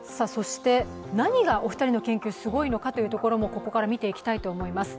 何がお二人の研究すごいのかというところをここから見ていきたいと思います。